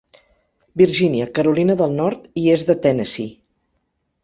Virgínia, Carolina del Nord i est de Tennessee.